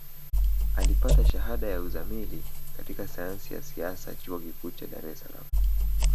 Alipata Shahada ya Uzamili katika Sayansi ya Siasa Chuo Kikuu cha Dar es Salaam